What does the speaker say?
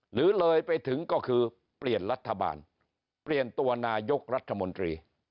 หรือเลยไปถึงก็คือเปลี่ยนรัฐบาลเปลี่ยนตัวนายกรัฐมนตรี